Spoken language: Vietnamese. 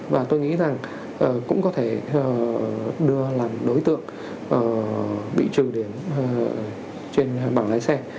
và tôi nghĩ rằng cũng có thể đưa làm đối tượng bị trừ điểm trên bảng lái xe